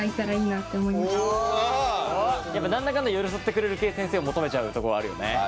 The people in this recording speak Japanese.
やっぱ何だかんだ寄り添ってくれる系先生を求めちゃうところあるよね。